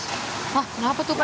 kenapa tuh pak